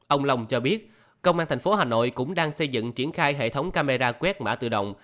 ông long cho biết công an tp hcm cũng đang xây dựng triển khai hệ thống camera quét mã tự động